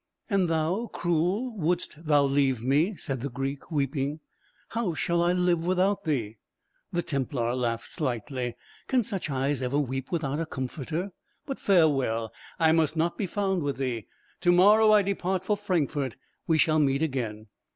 "And thou, cruel, wouldst thou leave me?" said the Greek, weeping. "How shall I live without thee?" The Templar laughed slightly. "Can such eyes ever weep without a comforter? But farewell; I must not be found with thee. To morrow I depart for Frankfort; we shall meet again."